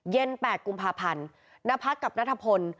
เย็น๘กุมภาพันธ์นภักดิ์กับนัฐพล